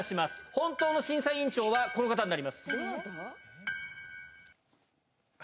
本当の審査委員長はこの方になります。